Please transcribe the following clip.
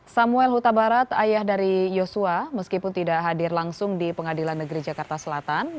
samuel huta barat ayah dari yosua meskipun tidak hadir langsung di pengadilan negeri jakarta selatan